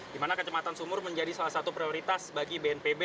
di mana kecematan sumur menjadi salah satu prioritas bagi bnpb